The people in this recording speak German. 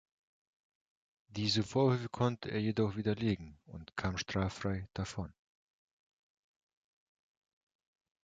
Diese Vorwürfe konnte er jedoch widerlegen und kam straffrei davon.